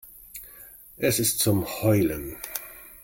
Es ist zum Heulen.